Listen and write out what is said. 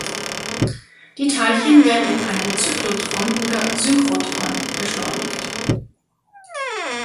Die Teilchen werden in einem Zyklotron oder Synchrotron beschleunigt.